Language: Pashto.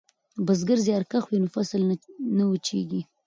که بزګر زیارکښ وي نو فصل نه وچیږي.